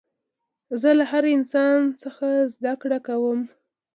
زه له هر انسان څخه زدکړه کوم.